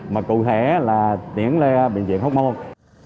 mà cụ thể là chuyển lên bệnh viện hóc môn